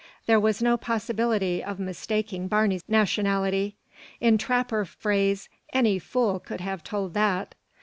There was no possibility of mistaking Barney's nationality. In trapper phrase, any fool could have told that.